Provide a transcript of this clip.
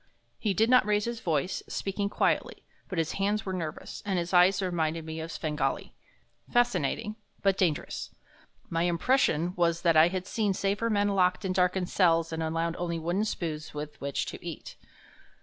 He did not raise his voice, speaking quietly, but his hands were nervous, and his eyes reminded me of Svengali fascinating, but dangerous. My impression was that I had seen safer men locked in darkened cells and allowed only wooden spoons with which to eat.